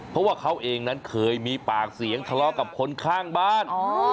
เพราะว่าเขาเองนั้นเคยมีปากเสียงทะเลาะกับคนข้างบ้าน